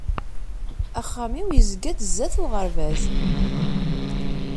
Axxam-iw yezga-d zdat uɣerbaz.